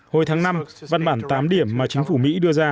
hồi tháng năm văn bản tám điểm mà chính phủ mỹ đưa ra